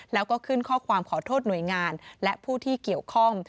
แล้วก็ขึ้นข้อความขอโทษหน่วยงานและผู้ที่เกี่ยวข้อง